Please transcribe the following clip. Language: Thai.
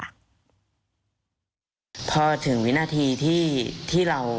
พอถึงวินาทีที่เรา